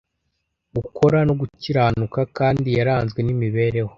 gukora, no gukiranuka! Kandi yaranzwe n’imibereho